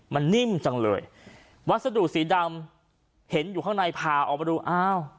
มันนิ่มจังเลยวัสดุสีดำเห็นอยู่ข้างในพาออกมาดูอ้าว